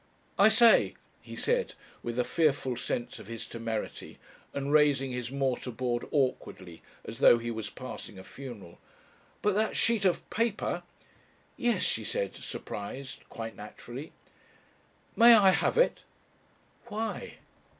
"I say," he said with a fearful sense of his temerity, and raising his mortar board awkwardly as though he was passing a funeral. "But that sheet of paper ..." "Yes," she said surprised quite naturally. "May I have it?" "Why?"